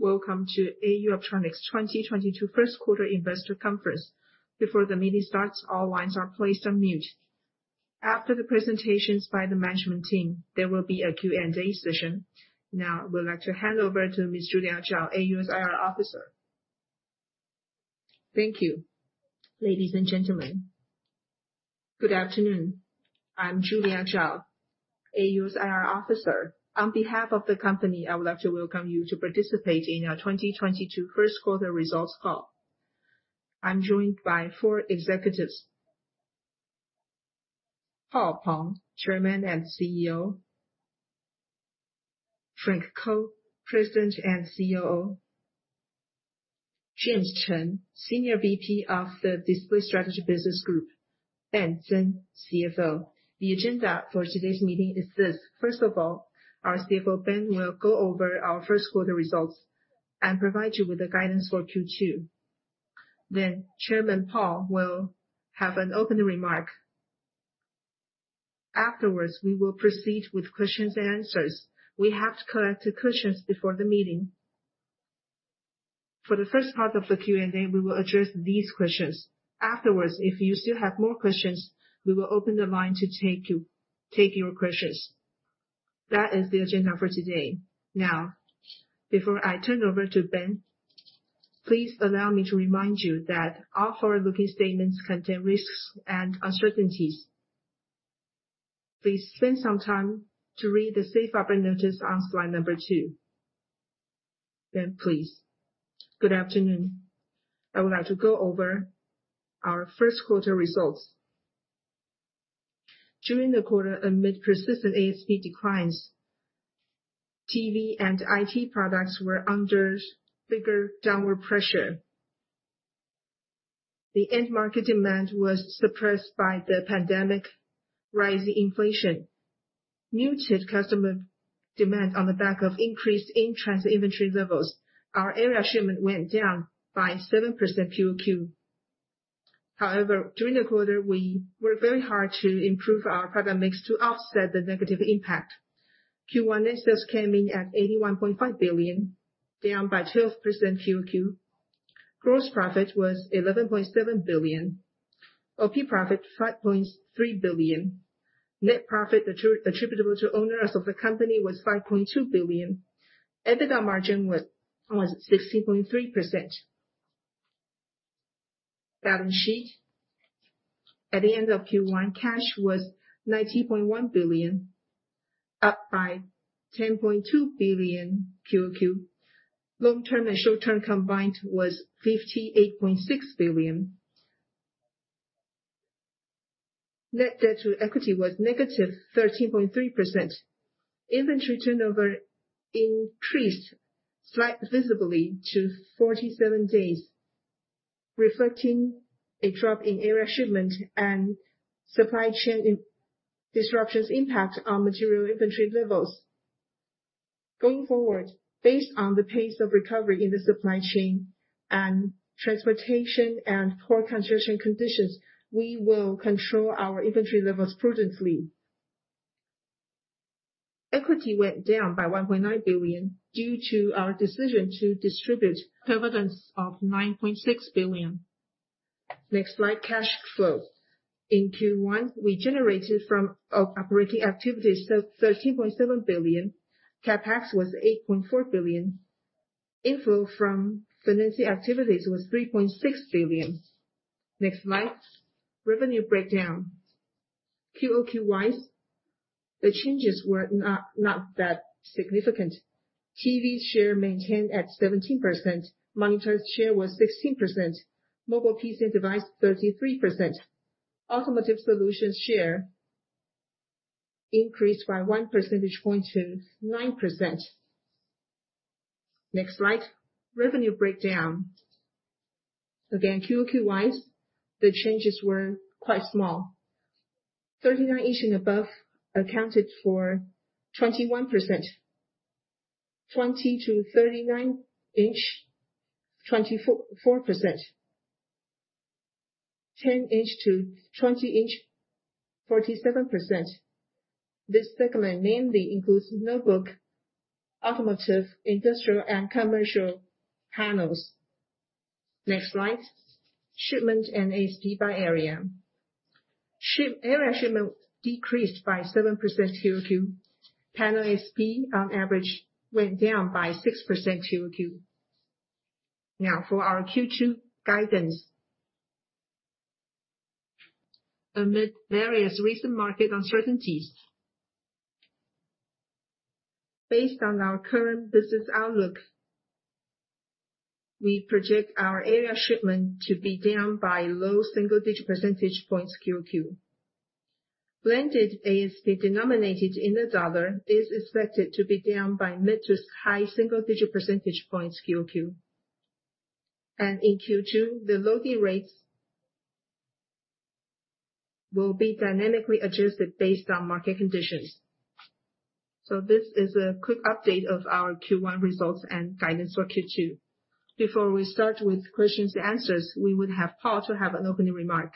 Ladies and gentlemen, good afternoon. I'm Julia Chao, AUO's IR officer. On behalf of the company, I would like to welcome you to participate in our 2022 first quarter results call. I'm joined by four executives: Paul Peng, Chairman and CEO; Frank Ko, President and COO; James Chen, Senior VP of the Display Strategy Business Group; Ben Tseng, CFO. The agenda for today's meeting is this. First of all, our CFO, Ben, will go over our first quarter results and provide you with the guidance for Q2. Chairman Paul will have an opening remark. Afterwards, we will proceed with questions and answers. We have collected questions before the meeting. For the first part of the Q&A, we will address these questions. Afterwards, if you still have more questions, we will open the line to take your questions. That is the agenda for today. Now, before I turn over to Ben, please allow me to remind you that all forward-looking statements contain risks and uncertainties. Please spend some time to read the safe harbor notice on slide number two. Ben, please. Good afternoon. I would like to go over our first quarter results. During the quarter, amid persistent ASP declines, TV and IT products were under bigger downward pressure. The end market demand was suppressed by the pandemic, rising inflation, muted customer demand on the back of increased in-transit inventory levels. Our area shipment went down by 7% QOQ. However, during the quarter, we worked very hard to improve our product mix to offset the negative impact. Q1 net sales came in at 81.5 billion, down by 12% QOQ. Gross profit was 11.7 billion. OP profit, 5.3 billion. Net profit attributable to owners of the company was 5.2 billion. EBITDA margin was 16.3%. Balance sheet. At the end of Q1, cash was 90.1 billion, up by 10.2 billion QOQ. Long-term and short-term combined was 58.6 billion. Net debt to equity was negative 13.3%. Inventory turnover increased slightly visibly to 47 days, reflecting a drop in area shipment and supply chain disruptions impact on material inventory levels. Going forward, based on the pace of recovery in the supply chain and transportation and port congestion conditions, we will control our inventory levels prudently. Equity went down by 1.9 billion due to our decision to distribute dividends of 9.6 billion. Next slide, cash flow. In Q1, we generated from operating activities 13.7 billion. CapEx was 8.4 billion. Inflow from financing activities was 3.6 billion. Next slide, revenue breakdown. QOQ-wise, the changes were not that significant. TV share maintained at 17%. Monitor share was 16%. Mobile PC device, 33%. Automotive solutions share increased by one percentage point to 9%. Next slide, revenue breakdown. Again, QOQ-wise, the changes were quite small. 39-in and above accounted for 21%. 20-39-in, 24%. 10-in to 20-in, 47%. This segment mainly includes notebook, automotive, industrial, and commercial panels. Next slide, shipment and ASP by area. Area shipment decreased by 7% QOQ. Panel ASP on average went down by 6% QOQ. Now for our Q2 guidance. Amid various recent market uncertainties, based on our current business outlook, we project our area shipment to be down by low single-digit percentage points QOQ. Blended ASP denominated in the dollar is expected to be down by mid to high single-digit percentage points QOQ. In Q2, the loading rates will be dynamically adjusted based on market conditions. This is a quick update of our Q1 results and guidance for Q2. Before we start with questions and answers, we would have Paul to have an opening remark.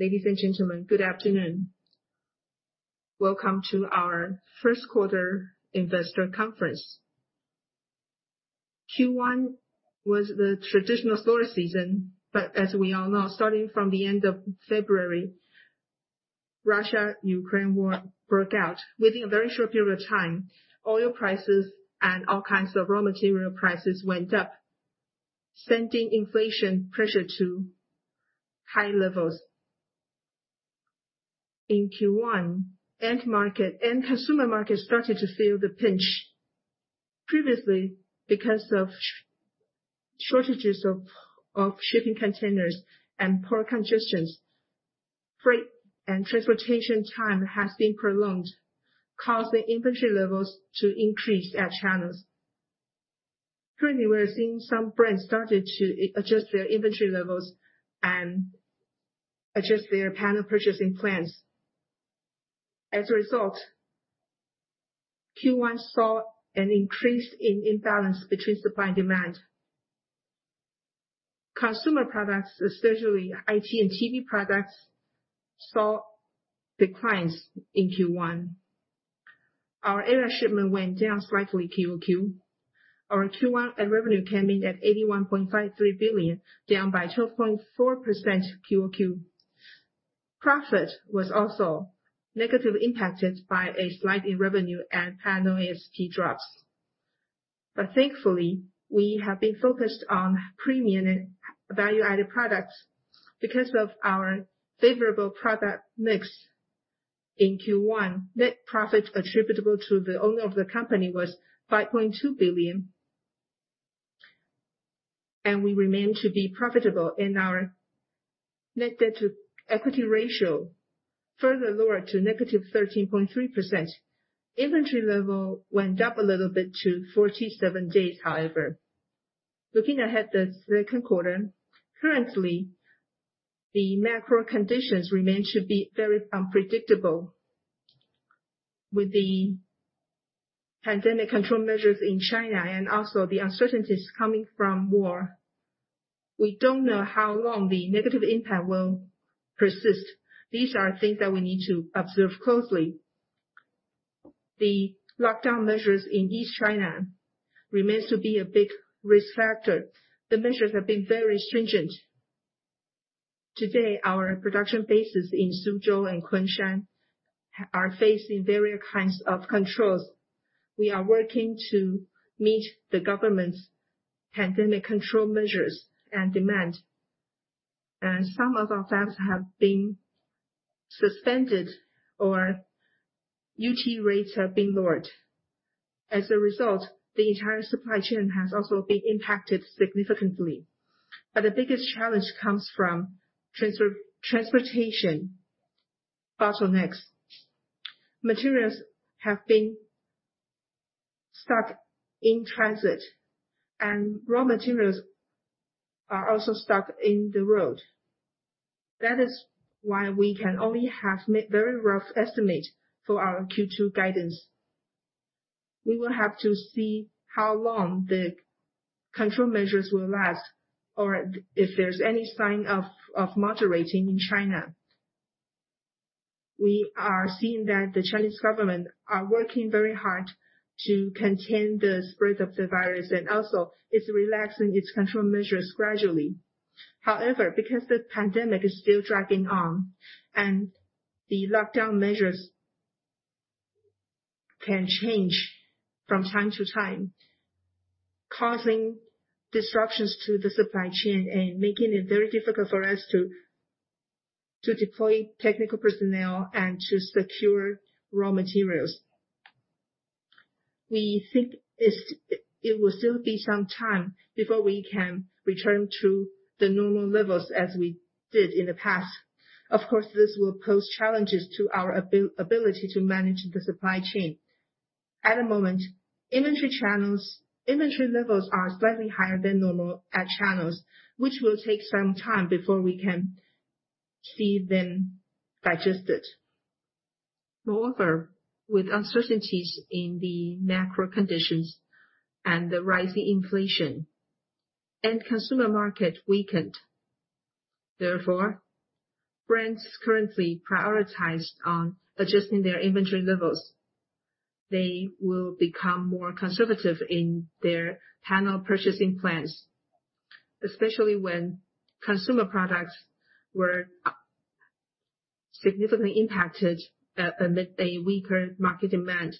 Ladies and gentlemen, good afternoon. Welcome to our first quarter investor conference. Q1 was the traditional slower season, but as we all know, starting from the end of February, Russia-Ukraine War broke out. Within a very short period of time, oil prices and all kinds of raw material prices went up, sending inflation pressure to high levels. In Q1, end market and consumer market started to feel the pinch. Previously, because of shortages of shipping containers and port congestions, freight and transportation time has been prolonged, causing inventory levels to increase at channels. Currently, we are seeing some brands started to adjust their inventory levels and adjust their panel purchasing plans. As a result, Q1 saw an increase in imbalance between supply and demand. Consumer products, especially IT and TV products, saw declines in Q1. Our area shipment went down slightly QOQ. Our Q1 end revenue came in at 81.53 billion, down by 12.4% QOQ. Profit was also negatively impacted by a slight dip in revenue and panel ASP drops. Thankfully, we have been focused on premium and value-added products. Because of our favorable product mix in Q1, net profit attributable to the owner of the company was 5.2 billion. We remain to be profitable, and our net debt to equity ratio further lowered to -13.3%. Inventory level went up a little bit to 47 days, however. Looking ahead to the second quarter, currently the macro conditions remain to be very unpredictable. With the pandemic control measures in China and also the uncertainties coming from war, we don't know how long the negative impact will persist. These are things that we need to observe closely. The lockdown measures in East China remains to be a big risk factor. The measures have been very stringent. Today, our production bases in Suzhou and Kunshan are facing various kinds of controls. We are working to meet the government's pandemic control measures and demand. Some of our fabs have been suspended or UT rates have been lowered. As a result, the entire supply chain has also been impacted significantly. The biggest challenge comes from trans-transportation bottlenecks. Materials have been stuck in transit, and raw materials are also stuck in the road. That is why we can only have very rough estimate for our Q2 guidance. We will have to see how long the control measures will last or if there's any sign of moderating in China. We are seeing that the Chinese government are working very hard to contain the spread of the virus, and also it's relaxing its control measures gradually. However, because the pandemic is still dragging on and the lockdown measures can change from time to time, causing disruptions to the supply chain and making it very difficult for us to deploy technical personnel and to secure raw materials. We think it will still be some time before we can return to the normal levels as we did in the past. Of course, this will pose challenges to our ability to manage the supply chain. At the moment, inventory levels are slightly higher than normal at channels, which will take some time before we can see them digested. Moreover, with uncertainties in the macro conditions and the rising inflation, end consumer market weakened. Therefore, brands currently prioritized on adjusting their inventory levels. They will become more conservative in their panel purchasing plans, especially when consumer products were significantly impacted amid a weaker market demand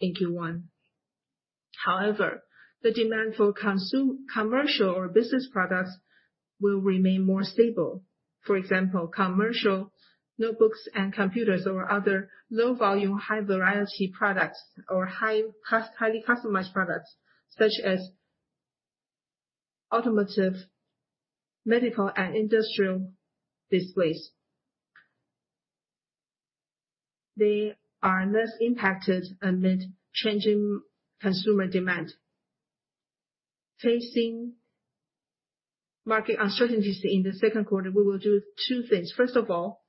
in Q1. However, the demand for commercial or business products will remain more stable. For example, commercial notebooks and computers or other low-volume, high-variety products or highly customized products such as automotive, medical, and industrial displays. They are less impacted amid changing consumer demand. Facing market uncertainties in the second quarter, we will do two things. First of all,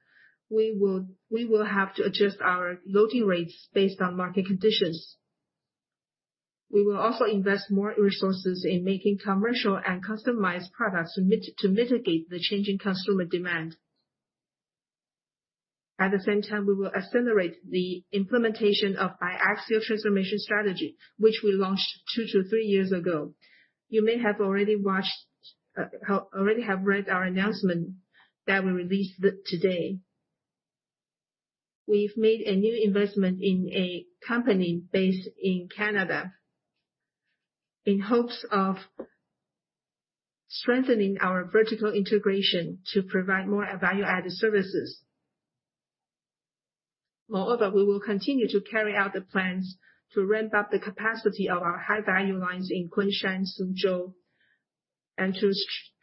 we will have to adjust our loading rates based on market conditions. We will also invest more resources in making commercial and customized products to mitigate the changing consumer demand. At the same time, we will accelerate the implementation of biaxial transformation strategy, which we launched two-three years ago. You may have already watched, already have read our announcement that we released today. We've made a new investment in a company based in Canada, in hopes of strengthening our vertical integration to provide more value-added services. Moreover, we will continue to carry out the plans to ramp up the capacity of our high-value lines in Kunshan, Suzhou, and to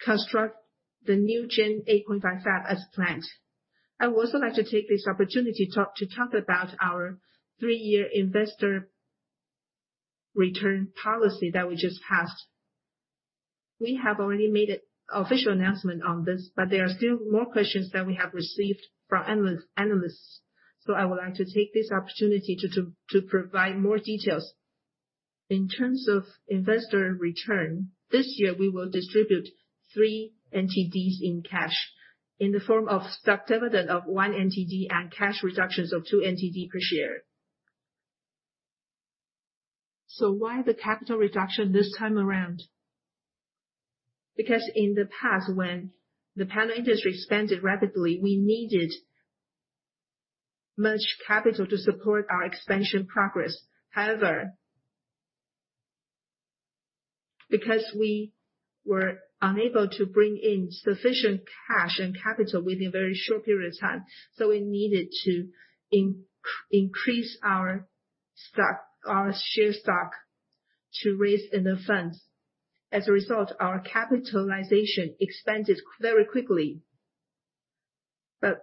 construct the new Gen 8.5 fab as planned. I would also like to take this opportunity to talk about our three-year investor return policy that we just passed. We have already made a official announcement on this, but there are still more questions that we have received from analysts. I would like to take this opportunity to provide more details. In terms of investor return, this year, we will distribute 3 NTDs in cash in the form of stock dividend of 1 NTD and cash reductions of 2 NTD per share. Why the capital reduction this time around? Because in the past, when the panel industry expanded rapidly, we needed much capital to support our expansion progress. However, because we were unable to bring in sufficient cash and capital within a very short period of time, so we needed to increase our stock, our share stock to raise enough funds. As a result, our capitalization expanded very quickly.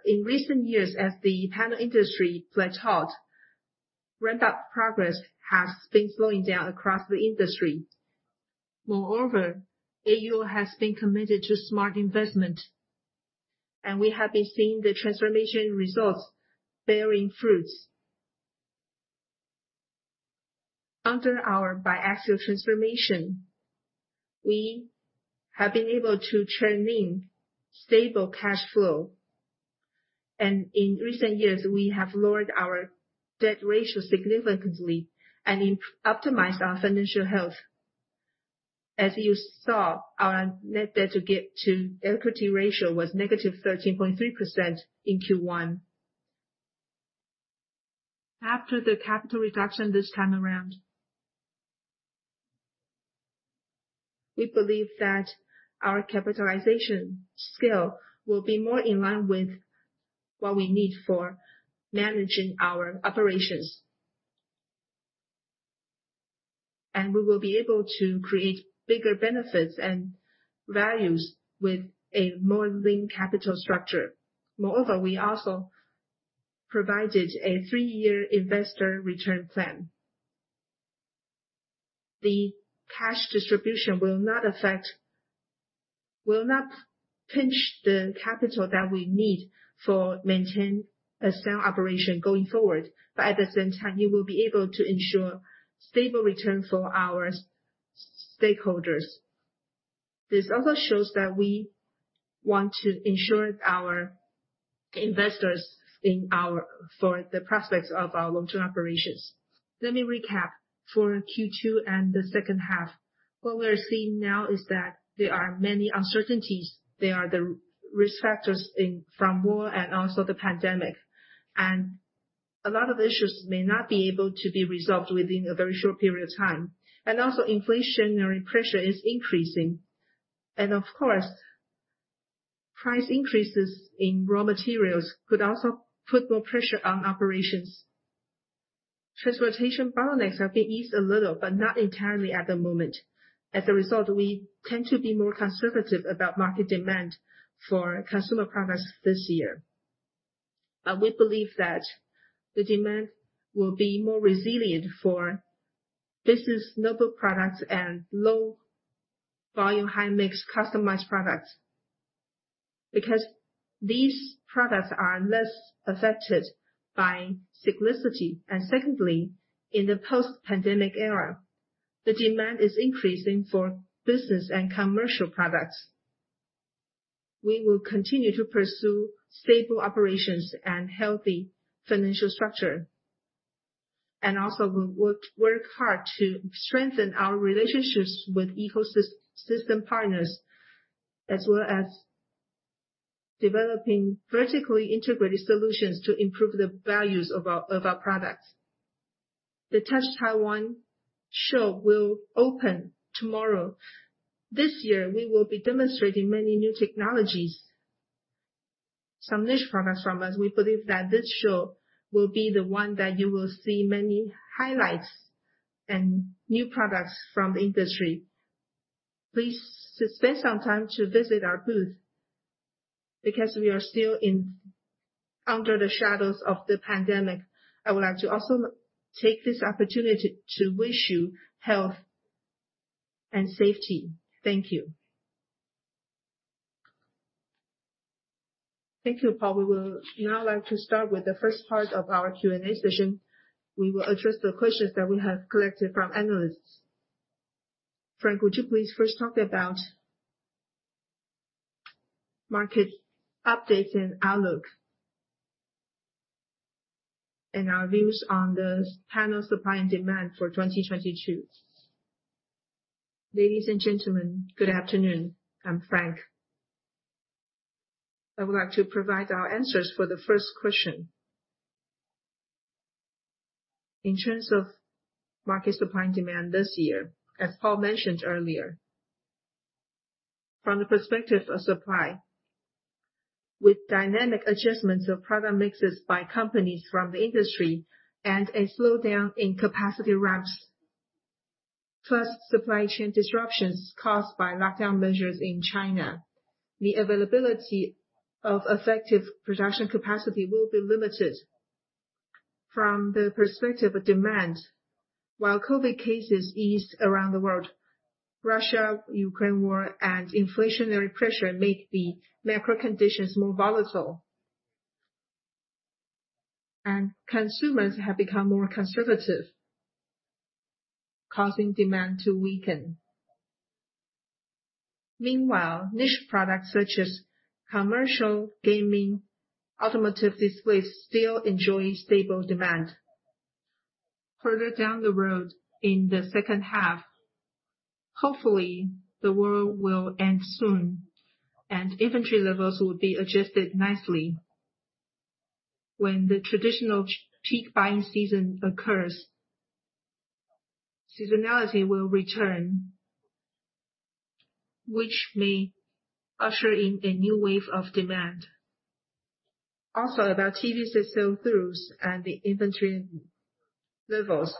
In recent years, as the panel industry plateaued, ramp-up progress has been slowing down across the industry. Moreover, AUO has been committed to smart investment, and we have been seeing the transformation results bearing fruits. Under our biaxial transformation, we have been able to churn in stable cash flow. In recent years, we have lowered our debt ratio significantly and improved and optimized our financial health. As you saw, our net debt to equity ratio was negative 13.3% in Q1. After the capital reduction this time around, we believe that our capitalization scale will be more in line with what we need for managing our operations. We will be able to create bigger benefits and values with a more lean capital structure. Moreover, we also provided a three-year investor return plan. The cash distribution will not pinch the capital that we need for maintaining a sound operation going forward. At the same time, we will be able to ensure stable return for our stakeholders. This also shows that we want to assure our investors of the prospects of our long-term operations. Let me recap. For Q2 and the second half, what we're seeing now is that there are many uncertainties. There are the risk factors from war and also the pandemic. A lot of issues may not be able to be resolved within a very short period of time. Also inflationary pressure is increasing. Of course, price increases in raw materials could also put more pressure on operations. Transportation bottlenecks have been eased a little, but not entirely at the moment. As a result, we tend to be more conservative about market demand for consumer products this year. But we believe that the demand will be more resilient for business notebook products and low volume, high mix customized products, because these products are less affected by cyclicity. Secondly, in the post-pandemic era, the demand is increasing for business and commercial products. We will continue to pursue stable operations and healthy financial structure. We'll work hard to strengthen our relationships with ecosystem partners, as well as developing vertically integrated solutions to improve the values of our products. The Touch Taiwan show will open tomorrow. This year, we will be demonstrating many new technologies, some niche products from us. We believe that this show will be the one that you will see many highlights and new products from the industry. Please spend some time to visit our booth. Because we are still under the shadows of the pandemic, I would like to also take this opportunity to wish you health and safety. Thank you. Thank you, Paul. We will now would like to start with the first part of our Q&A session. We will address the questions that we have collected from analysts. Frank, would you please first talk about market updates and outlook, and our views on the panel supply and demand for 2022. Ladies and gentlemen, good afternoon. I'm Frank. I would like to provide our answers for the first question. In terms of market supply and demand this year, as Paul mentioned earlier, from the perspective of supply, with dynamic adjustments of product mixes by companies from the industry and a slowdown in capacity ramps, plus supply chain disruptions caused by lockdown measures in China, the availability of effective production capacity will be limited. From the perspective of demand, while COVID cases ease around the world, Russia-Ukraine war and inflationary pressure make the macro conditions more volatile. Consumers have become more conservative, causing demand to weaken. Meanwhile, niche products such as commercial, gaming, automotive displays still enjoy stable demand. Further down the road in the second half, hopefully the war will end soon and inventory levels will be adjusted nicely. When the traditional Chinese peak buying season occurs, seasonality will return, which may usher in a new wave of demand. Also, about TV set sell-throughs and the inventory levels,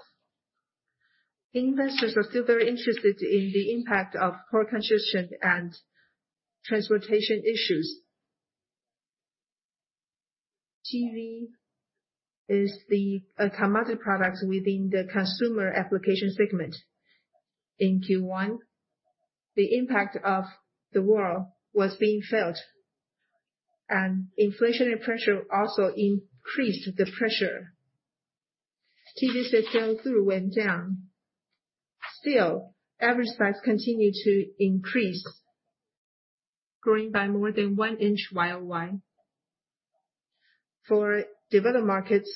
the investors are still very interested in the impact of port congestion and transportation issues. TV is the commodity products within the consumer application segment. In Q1, the impact of the war was being felt, and inflationary pressure also increased the pressure. TV set sell-through went down. Still, average price continued to increase, growing by more than 1 inch year-over-year. For developed markets,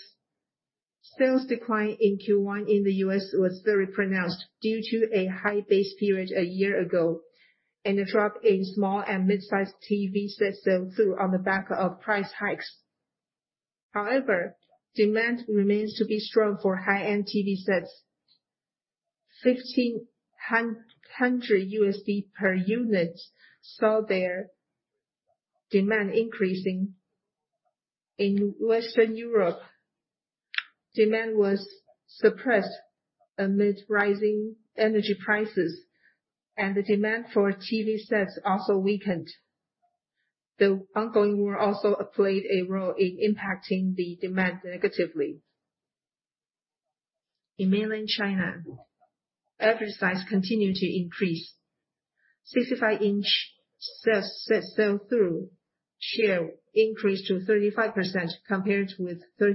sales decline in Q1 in the U.S. was very pronounced due to a high base period a year ago, and a drop in small and midsize TV set sell-through on the back of price hikes. However, demand remains to be strong for high-end TV sets. $1,500 per unit saw their demand increasing. In Western Europe, demand was suppressed amid rising energy prices, and the demand for TV sets also weakened. The ongoing war also played a role in impacting the demand negatively. In mainland China, average price continued to increase. 65-in set sell-through share increased to 35% compared with 30%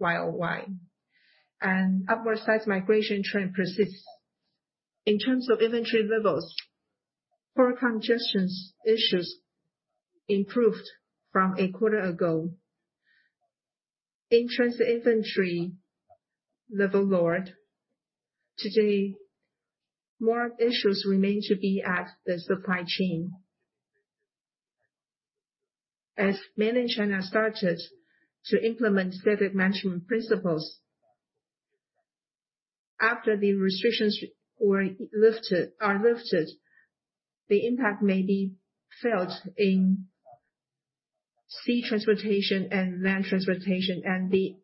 year-on-year. An upward price migration trend persists. In terms of inventory levels, port congestion issues improved from a quarter ago. In-transit inventory level lowered. Today, more issues remain to be at the supply chain. As mainland China started to implement COVID management principles, after the restrictions are lifted, the impact may be felt in sea transportation and land transportation, and the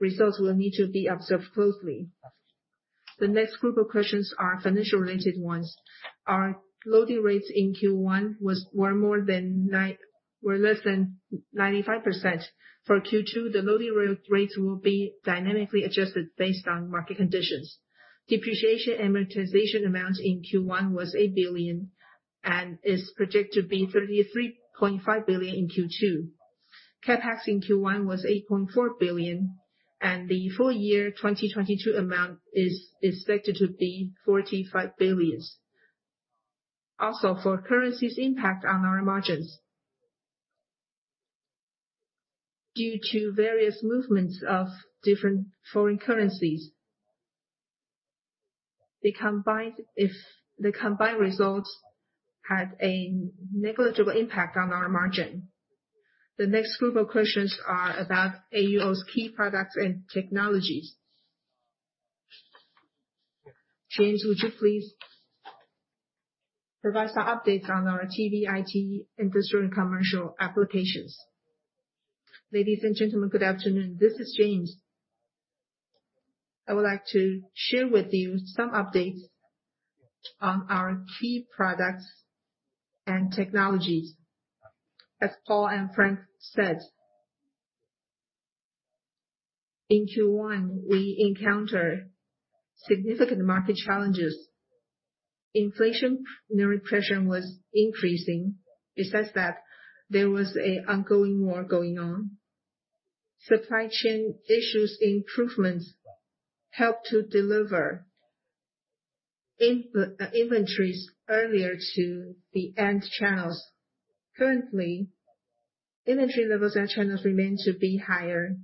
results will need to be observed closely. The next group of questions are financial-related ones. Our loading rates in Q1 were less than 95%. For Q2, the loading rates will be dynamically adjusted based on market conditions. Depreciation amortization amount in Q1 was 8 billion and is projected to be 33.5 billion in Q2. CapEx in Q1 was 8.4 billion, and the full year 2022 amount is expected to be 45 billion. For currencies impact on our margins, due to various movements of different foreign currencies, the combined results had a negligible impact on our margin. The next group of questions are about AUO's key products and technologies. James, would you please provide some updates on our TV, IT, industrial, and commercial applications. Ladies and gentlemen, good afternoon. This is James. I would like to share with you some updates on our key products and technologies. As Paul and Frank said. In Q1, we encountered significant market challenges. Inflationary pressure was increasing. Besides that, there was an ongoing war going on. Supply chain issue improvements helped to deliver inventories earlier to the end channels. Currently, inventory levels in channels remain higher.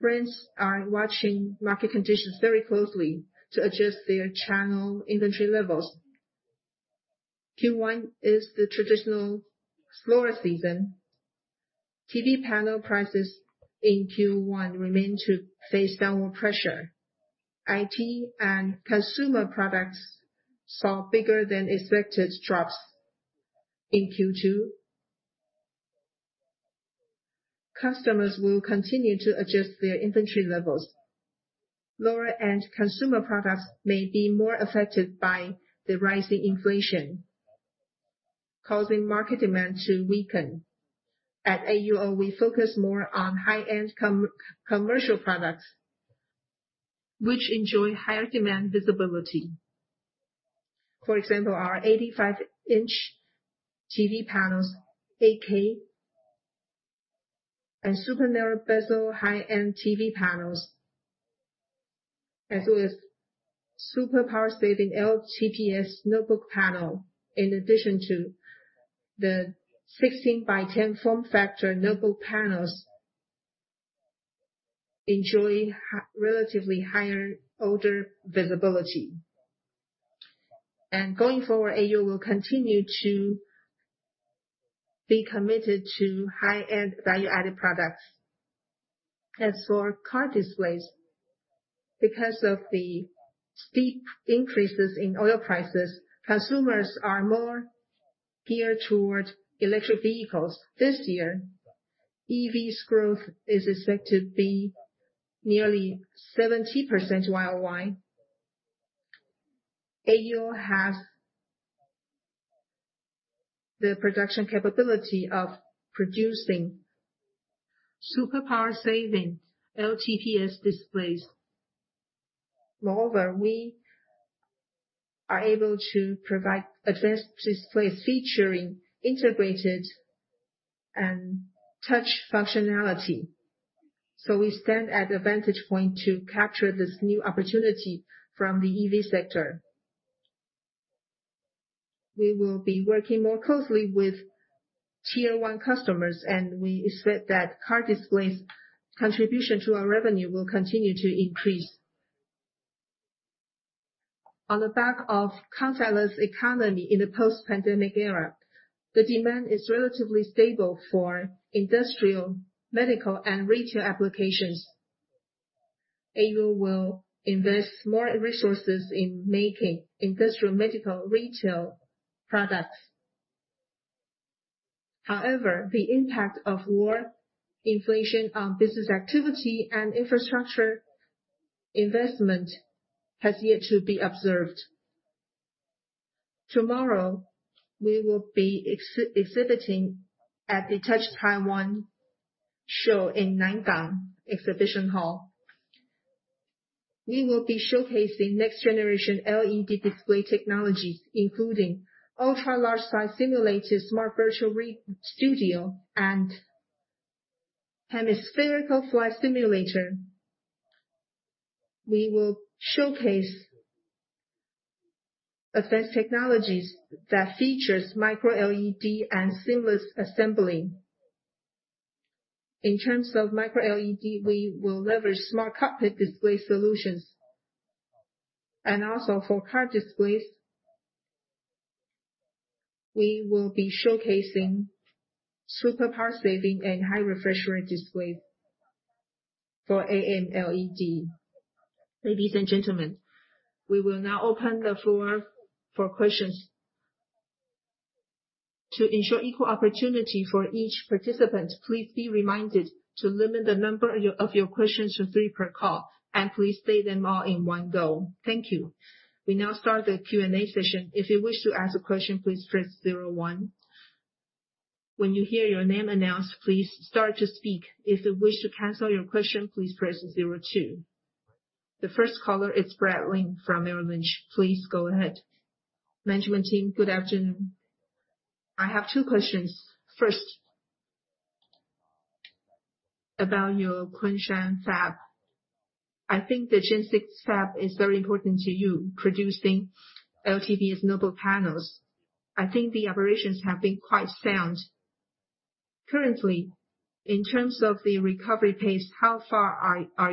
Brands are watching market conditions very closely to adjust their channel inventory levels. Q1 is the traditional slower season. TV panel prices in Q1 continued to face downward pressure. IT and consumer products saw bigger than expected drops. In Q2, customers will continue to adjust their inventory levels. Lower-end consumer products may be more affected by the rising inflation, causing market demand to weaken. At AUO, we focus more on high-end commercial products which enjoy higher demand visibility. For example, our 85-in TV panels, 8K, and super narrow bezel high-end TV panels, as well as super power-saving LTPS notebook panel, in addition to the 16:10 form factor notebook panels, enjoy relatively higher order visibility. Going forward, AUO will continue to be committed to high-end value-added products. As for car displays, because of the steep increases in oil prices, consumers are more geared toward electric vehicles. This year, EVs growth is expected to be nearly 70% YoY. AUO has the production capability of producing super power-saving LTPS displays. Moreover, we are able to provide advanced display featuring integrated and touch functionality. We stand at a vantage point to capture this new opportunity from the EV sector. We will be working more closely with Tier 1 customers, and we expect that car displays contribution to our revenue will continue to increase. On the back of contactless economy in the post-pandemic era, the demand is relatively stable for industrial, medical, and retail applications. AUO will invest more resources in making industrial, medical, retail products. However, the impact of war, inflation on business activity and infrastructure investment has yet to be observed. Tomorrow, we will be exhibiting at the Touch Taiwan show in Nangang Exhibition Hall. We will be showcasing next generation LED display technologies, including ultra-large size simulated smart virtual reality studio and hemispherical flight simulator. We will showcase advanced technologies that features Micro LED and seamless assembly. In terms of Micro LED, we will leverage smart cockpit display solutions. Also for car displays, we will be showcasing super power-saving and high-refresh rate displays for AmLED. Ladies and gentlemen, we will now open the floor for questions. To ensure equal opportunity for each participant, please be reminded to limit the number of your questions to three per call, and please say them all in one go. Thank you. We now start the Q&A session. If you wish to ask a question, please press zero one. When you hear your name announced, please start to speak. If you wish to cancel your question, please press zero two. The first caller is Brad Lin from Merrill Lynch. Please go ahead. Management team, good afternoon. I have two questions. First, about your Kunshan fab. I think the Gen 6 fab is very important to you producing LTPS notebook panels. I think the operations have been quite sound. Currently, in terms of the recovery pace, how far are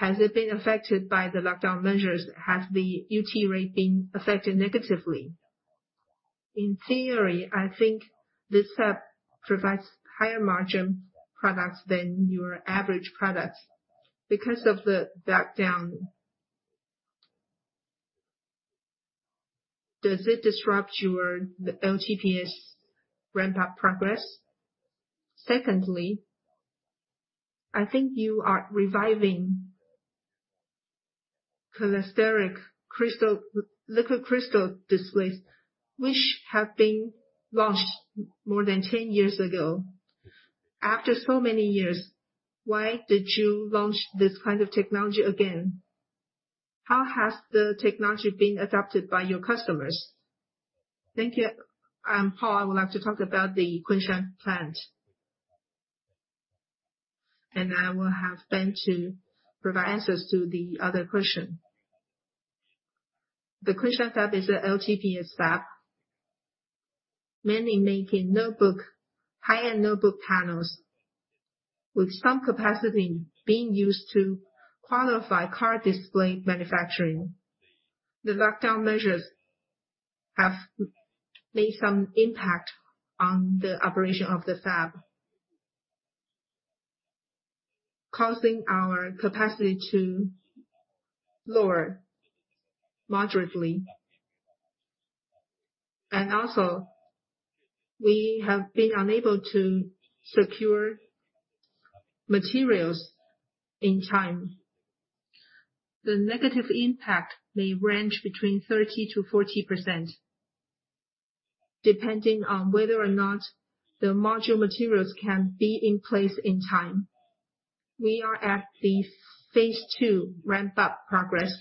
you? Has it been affected by the lockdown measures? Has the UT rate been affected negatively? In theory, I think this fab provides higher margin products than your average products. Because of the lockdown, does it disrupt your LTPS ramp-up progress? Secondly, I think you are reviving cholesteric liquid crystal displays, which have been launched more than 10 years ago. After so many years, why did you launch this kind of technology again? How has the technology been adopted by your customers? Thank you. I'm Paul. I would like to talk about the Kunshan plant. I will have Ben to provide answers to the other question. The Kunshan fab is a LTPS fab, mainly making notebook, high-end notebook panels with some capacity being used to qualify car display manufacturing. The lockdown measures have made some impact on the operation of the fab, causing our capacity to lower moderately. Also, we have been unable to secure materials in time. The negative impact may range between 30%-40%, depending on whether or not the module materials can be in place in time. We are at the phase two ramp-up progress.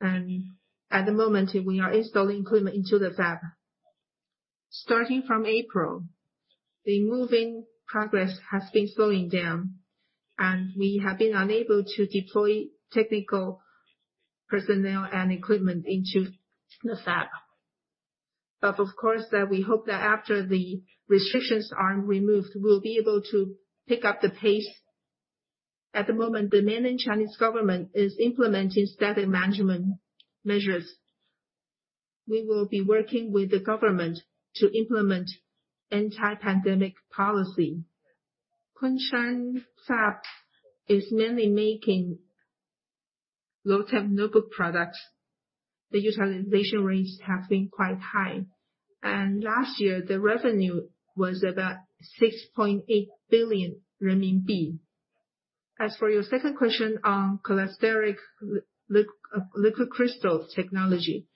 At the moment, we are installing equipment into the fab. Starting from April, the moving progress has been slowing down, and we have been unable to deploy technical personnel and equipment into the fab. Of course, that we hope that after the restrictions are removed, we'll be able to pick up the pace. At the moment, the mainland Chinese government is implementing static management measures. We will be working with the government to implement anti-pandemic policy. Kunshan fab is mainly making low-temp notebook products. The utilization rates have been quite high. Last year, the revenue was about 6.8 billion renminbi. As for your second question on cholesteric liquid crystal technology,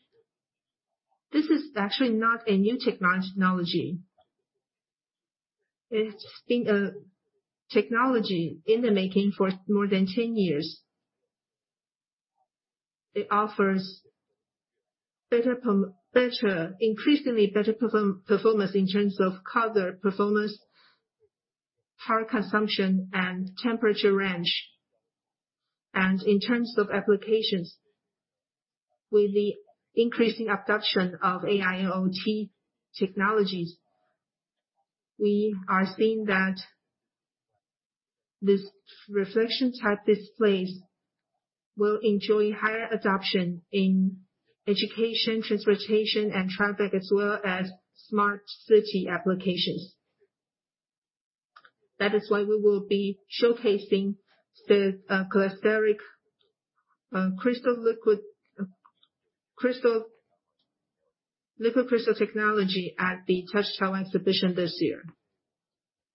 this is actually not a new technology. It's been a technology in the making for more than 10 years. It offers better, increasingly better performance in terms of color performance, power consumption, and temperature range. In terms of applications, with the increasing adoption of AI and IoT technologies, we are seeing that this reflection type displays will enjoy higher adoption in education, transportation, and traffic, as well as smart city applications. That is why we will be showcasing the cholesteric liquid crystal technology at the Touch Taiwan this year.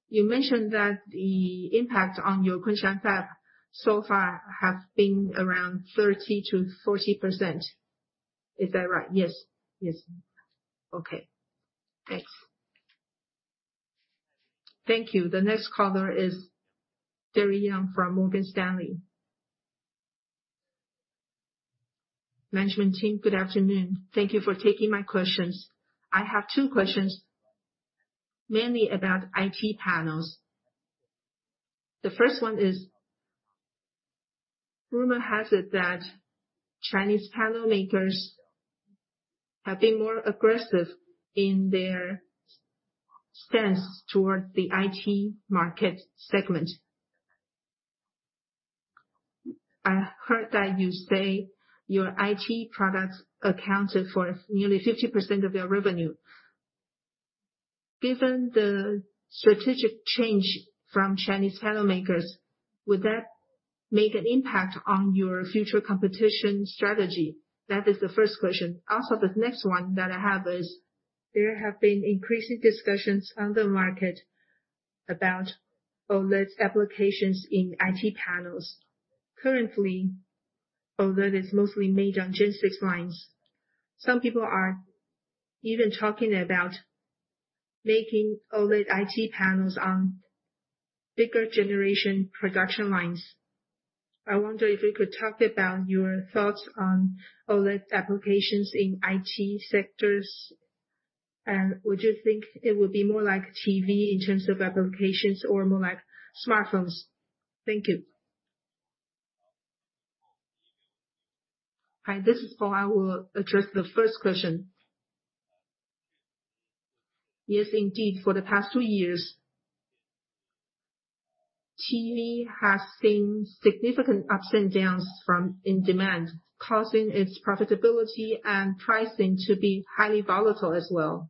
You mentioned that the impact on your Kunshan fab so far has been around 30%-40%. Is that right? Yes. Okay. Thanks. Thank you. The next caller is Derrick Yang from Morgan Stanley. Management team, good afternoon. Thank you for taking my questions. I have two questions, mainly about IT panels. The first one is, rumor has it that Chinese panel makers have been more aggressive in their stance towards the IT market segment. I heard that you say your IT products accounted for nearly 50% of your revenue. Given the strategic change from Chinese panel makers, would that make an impact on your future competition strategy? That is the first question. Also, the next one that I have is, there have been increasing discussions on the market about OLED's applications in IT panels. Currently, OLED is mostly made on Gen 6 lines. Some people are even talking about making OLED IT panels on bigger generation production lines. I wonder if you could talk about your thoughts on OLED applications in IT sectors. Would you think it would be more like TV in terms of applications or more like smartphones? Thank you. Hi, this is Paul. I will address the first question. Yes, indeed. For the past two years, TV has seen significant ups and downs in demand, causing its profitability and pricing to be highly volatile as well.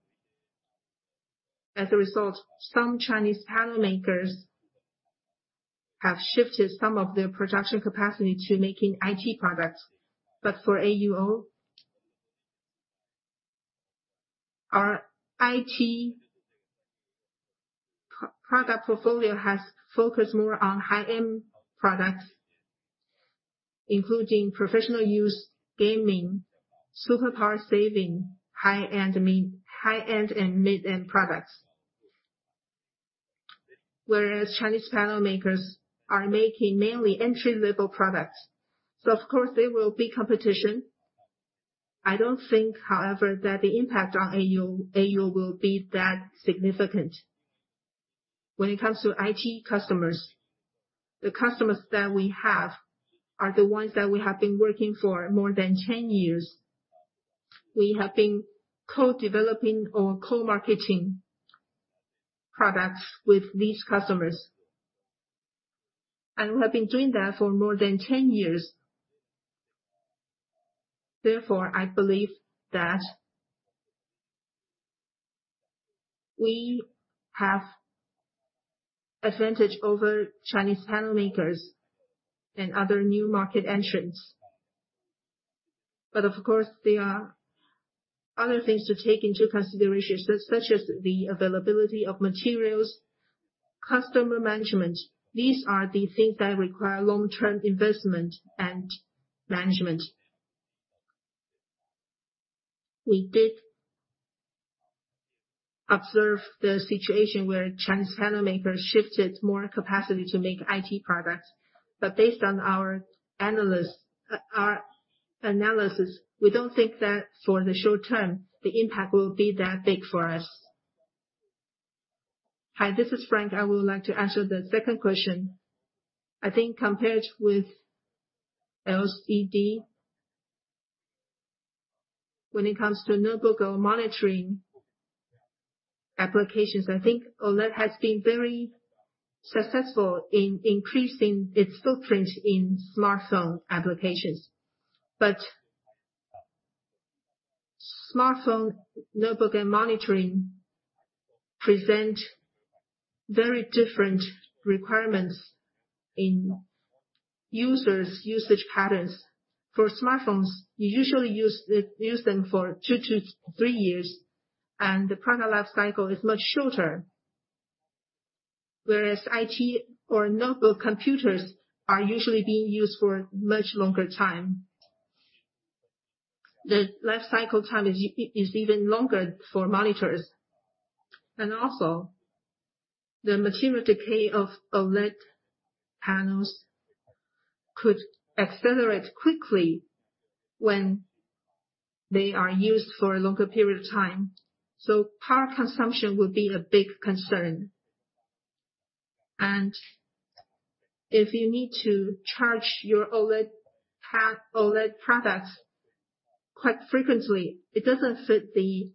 As a result, some Chinese panel makers have shifted some of their production capacity to making IT products. But for AUO, our IT product portfolio has focused more on high-end products, including professional use, gaming, super power saving, high-end, and mid-end products. Whereas Chinese panel makers are making mainly entry-level products. Of course there will be competition. I don't think, however, that the impact on AUO will be that significant. When it comes to IT customers, the customers that we have are the ones that we have been working for more than 10 years. We have been co-developing or co-marketing products with these customers, and we have been doing that for more than 10 years. Therefore, I believe that we have advantage over Chinese panel makers and other new market entrants. Of course, there are other things to take into consideration, such as the availability of materials, customer management. These are the things that require long-term investment and management. We did observe the situation where Chinese panel makers shifted more capacity to make IT products. Based on our analysis, we don't think that for the short term, the impact will be that big for us. Hi, this is Frank. I would like to answer the second question. I think compared with LCD, when it comes to notebook or monitor applications, I think OLED has been very successful in increasing its footprint in smartphone applications. But smartphone, notebook, and monitor present very different requirements in users' usage patterns. For smartphones, you usually use them for two-three years, and the product lifecycle is much shorter. Whereas IT or notebook computers are usually being used for a much longer time. The lifecycle time is even longer for monitors. Also, the material decay of OLED panels could accelerate quickly when they are used for a longer period of time, so power consumption would be a big concern. If you need to charge your OLED products quite frequently, it doesn't fit the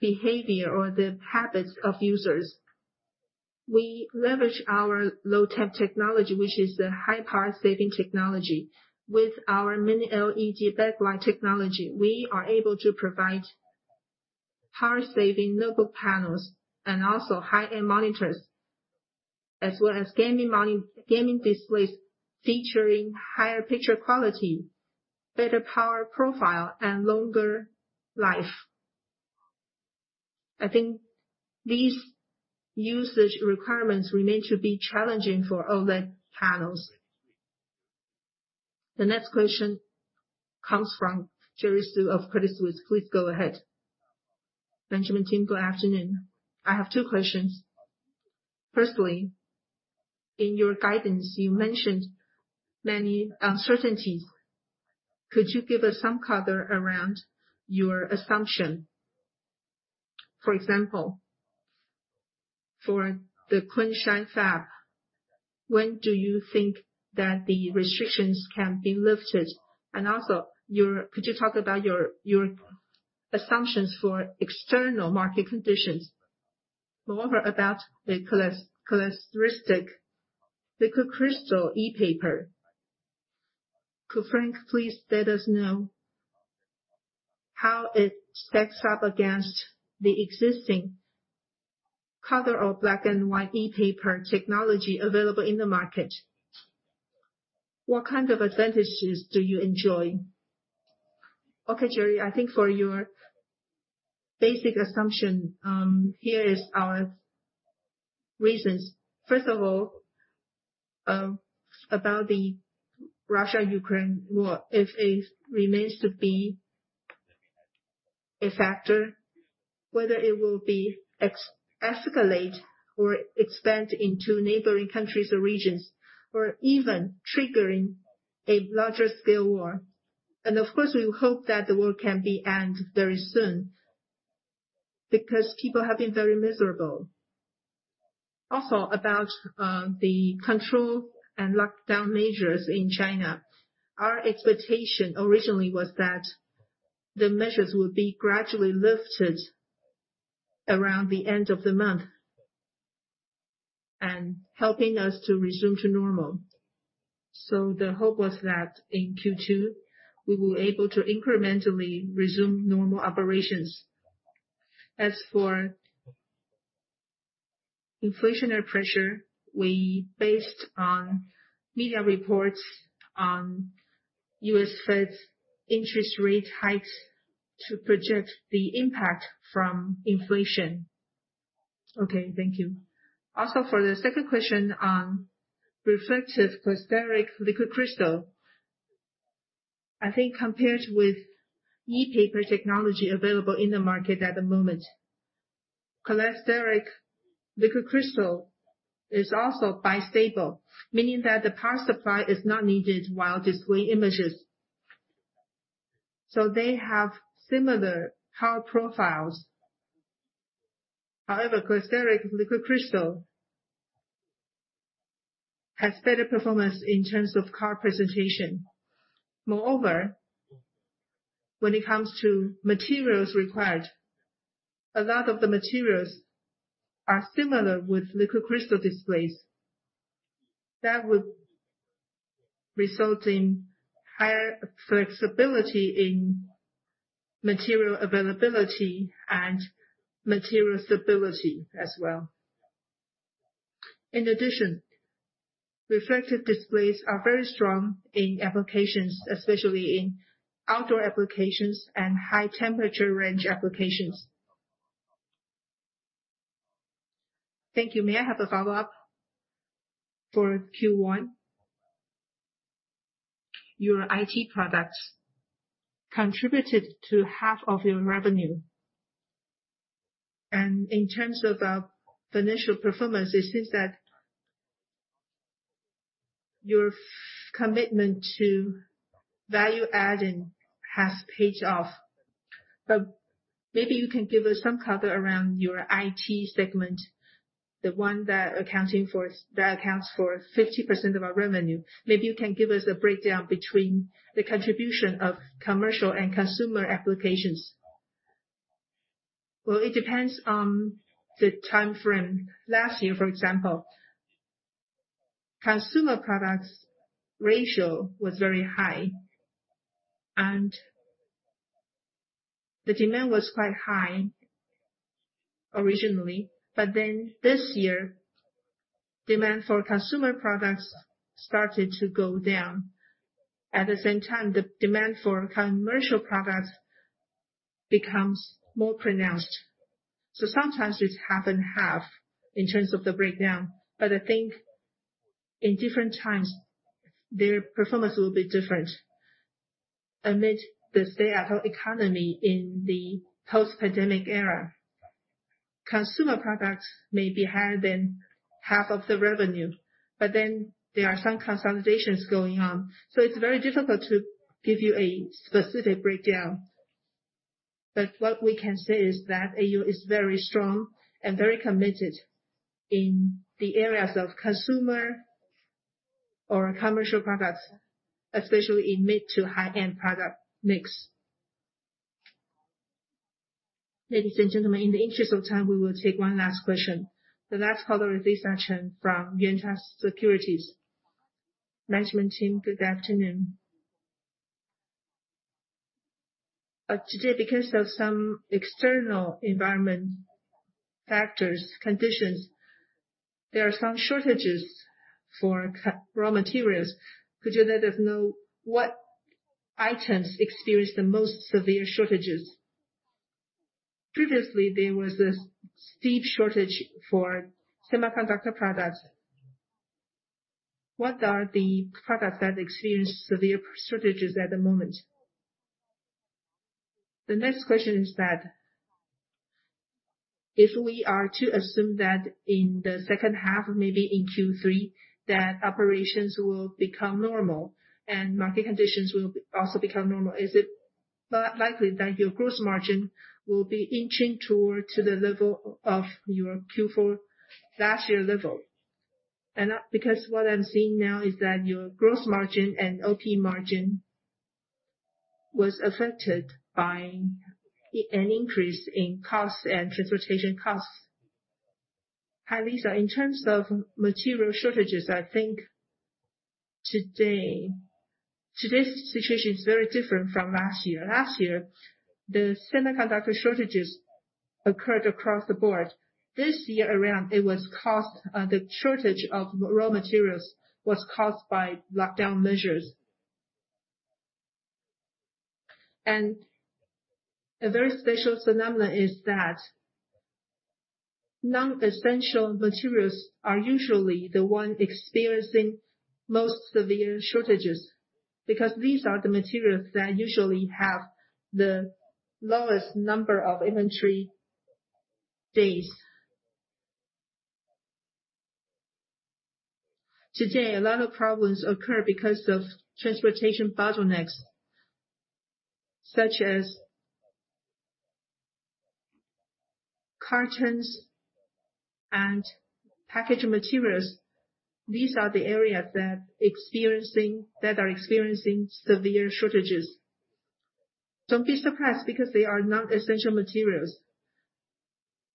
behavior or the habits of users. We leverage our low temp technology, which is a high power saving technology. With our Mini LED backlight technology, we are able to provide power saving notebook panels and also high-end monitors, as well as gaming displays featuring higher picture quality, better power profile, and longer life. I think these usage requirements remain to be challenging for OLED panels. The next question comes from Jerry Su of Credit Suisse. Please go ahead. Ben and team, good afternoon. I have two questions. Firstly, in your guidance, you mentioned many uncertainties. Could you give us some color around your assumption? For example, for the Kunshan fab, when do you think that the restrictions can be lifted? And also, could you talk about your assumptions for external market conditions? Moreover, about the cholesteric liquid crystal e-paper. Could Frank please let us know how it stacks up against the existing color or black and white e-paper technology available in the market? What kind of advantages do you enjoy? Okay, Jerry. I think for your basic assumption, here is our reasons. First of all, about the Russia-Ukraine war, if it remains to be a factor, whether it will be escalate or expand into neighboring countries or regions, or even triggering a larger scale war. Of course, we hope that the war can end very soon, because people have been very miserable. Also, about the control and lockdown measures in China. Our expectation originally was that the measures would be gradually lifted around the end of the month and helping us to resume to normal. The hope was that in Q2, we will able to incrementally resume normal operations. As for inflationary pressure, we based on media reports on U.S. Fed's interest rate hikes to project the impact from inflation. Okay, thank you. Also, for the second question on reflective cholesteric liquid crystal. I think compared with e-paper technology available in the market at the moment, cholesteric liquid crystal is also bistable. Meaning that the power supply is not needed while displaying images. They have similar power profiles. However, cholesteric liquid crystal has better performance in terms of color presentation. Moreover, when it comes to materials required, a lot of the materials are similar with liquid crystal displays that would result in higher flexibility in material availability and material stability as well. In addition, reflective displays are very strong in applications, especially in outdoor applications and high temperature range applications. Thank you. May I have a follow-up? For Q1, your IT products contributed to half of your revenue. In terms of financial performance, it seems that your commitment to value-adding has paid off. Maybe you can give us some color around your IT segment, the one that accounts for 50% of our revenue. Maybe you can give us a breakdown between the contribution of commercial and consumer applications. Well, it depends on the timeframe. Last year, for example, consumer products ratio was very high and the demand was quite high originally. Then this year, demand for consumer products started to go down. At the same time, the demand for commercial products becomes more pronounced. Sometimes it's half and half in terms of the breakdown, but I think in different times their performance will be different. Amid the stay-at-home economy in the post-pandemic era, consumer products may be higher than half of the revenue. Then there are some consolidations going on. It's very difficult to give you a specific breakdown. What we can say is that AUO is very strong and very committed in the areas of consumer or commercial products, especially in mid to high-end product mix. Ladies and gentlemen, in the interest of time, we will take one last question. The last caller, Lisa Chen from Yuanta Securities. Management team, good afternoon. Today because of some external environment factors, conditions, there are some shortages for raw materials. Could you let us know what items experience the most severe shortages? Previously, there was a steep shortage for semiconductor products. What are the products that experience severe shortages at the moment? The next question is that, if we are to assume that in the second half, maybe in Q3, that operations will become normal and market conditions will also become normal, is it likely that your gross margin will be inching toward to the level of your Q4 last year level? Because what I'm seeing now is that your gross margin and OP margin was affected by an increase in costs and transportation costs. Hi, Lisa. In terms of material shortages, I think today's situation is very different from last year. Last year, the semiconductor shortages occurred across the board. This year around, the shortage of raw materials was caused by lockdown measures. A very special phenomenon is that non-essential materials are usually the one experiencing most severe shortages, because these are the materials that usually have the lowest number of inventory days. Today, a lot of problems occur because of transportation bottlenecks, such as cartons and packaging materials. These are the areas that are experiencing severe shortages. Don't be surprised, because they are non-essential materials.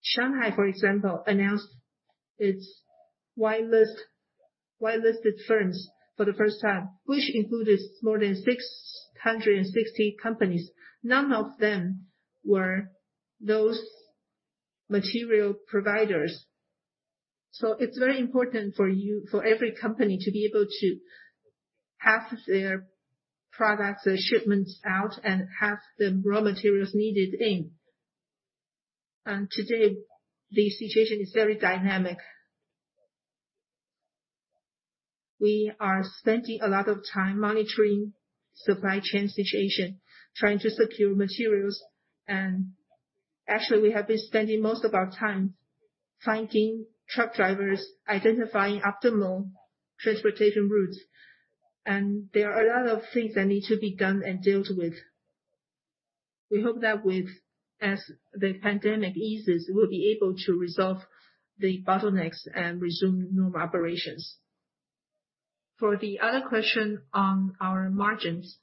Shanghai, for example, announced its white-listed firms for the first time, which included more than 660 companies. None of them were those material providers. It's very important for every company to be able to have their products or shipments out and have the raw materials needed in. Today, the situation is very dynamic. We are spending a lot of time monitoring supply chain situation, trying to secure materials. Actually, we have been spending most of our time finding truck drivers, identifying optimal transportation routes. There are a lot of things that need to be done and dealt with. We hope that with. As the pandemic eases, we'll be able to resolve the bottlenecks and resume normal operations. For the other question on our margins,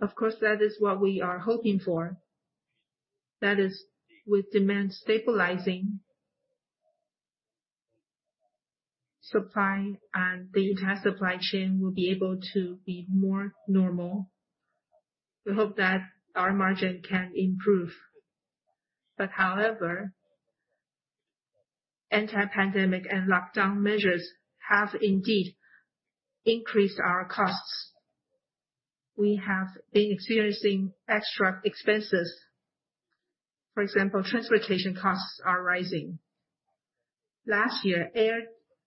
of course, that is what we are hoping for. That is, with demand stabilizing, supply and the entire supply chain will be able to be more normal. We hope that our margin can improve. However, anti-pandemic and lockdown measures have indeed increased our costs. We have been experiencing extra expenses. For example, transportation costs are rising. Last year, air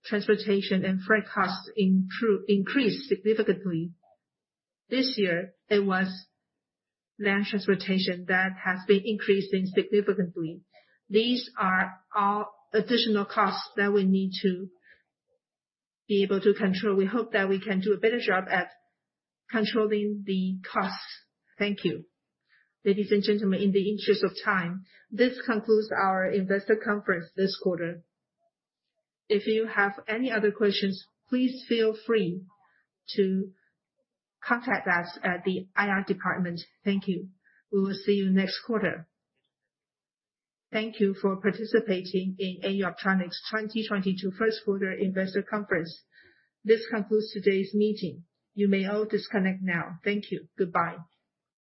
transportation and freight costs increased significantly. This year, it was land transportation that has been increasing significantly. These are all additional costs that we need to be able to control. We hope that we can do a better job at controlling the costs. Thank you. Ladies and gentlemen, in the interest of time, this concludes our investor conference this quarter. If you have any other questions, please feel free to contact us at the IR department. Thank you. We will see you next quarter. Thank you for participating in AU Optronics's 2022 first quarter investor conference. This concludes today's meeting. You may all disconnect now. Thank you. Goodbye.